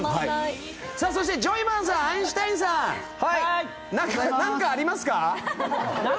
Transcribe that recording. そして、ジョイマンさんアインシュタインさん何かありますか？